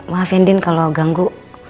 maafin din kalau ganggu